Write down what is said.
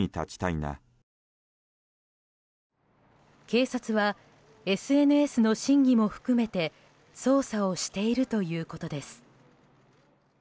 警察はＳＮＳの真偽も含めて捜査をしているということです。